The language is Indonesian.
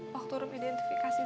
waktu rom identifikasi abah